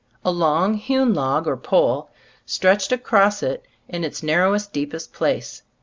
A long hewn log or pole stretched across it in its narrowest, deep est place.